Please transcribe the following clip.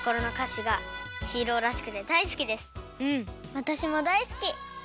わたしもだいすき。